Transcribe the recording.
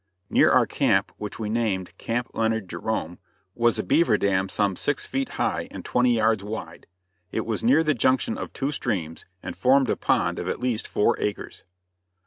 Near our camp, which we named Camp Leonard Jerome, was a beaver dam some six feet high and twenty yards wide; it was near the junction of two streams, and formed a pond of at least four acres.